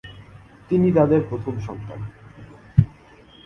তিনি তাদের প্রথম সন্তান।